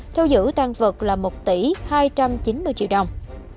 theo giữ tăng vật là một tỷ hai trăm chín mươi triệu đồng